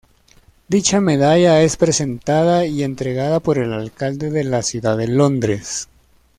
Dicha medalla es presentada y entregada por el alcalde de la ciudad de Londres.